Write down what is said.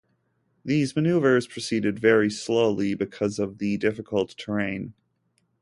These manoeuvres proceeded very slowly, because of the difficult terrain.